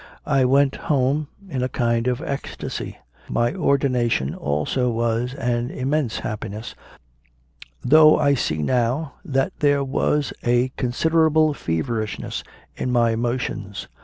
I went home in a kind of ecstasy. My ordination also was an immense happiness, though I see now that there was a considerable CONFESSIONS OF A CONVERT 39 feverishness in my emotions.